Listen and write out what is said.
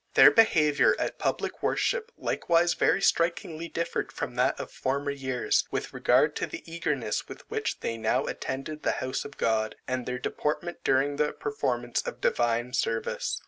Their behaviour at public worship likewise very strikingly differed from that of former years, with regard to the eagerness with which they now attended the house of God, and their deportment during the performance of divine service.